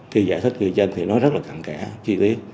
khi giải thích người dân thì nó rất là khẳng kẽ chi tiết